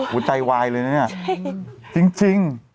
หัวใจวายเลยนึงจริงจริง